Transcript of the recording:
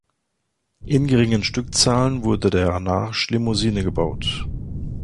In geringen Stückzahlen wurde der Arnage Limousine gebaut.